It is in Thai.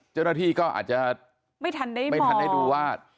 เจ้าหน้าที่ก็อาจจะไม่ทันได้ดูว่า